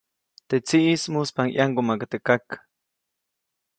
Teʼ tsiʼis muspaʼuŋ ʼyaŋgumaʼkä teʼ kak.